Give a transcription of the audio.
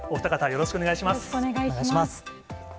よろしくお願いします。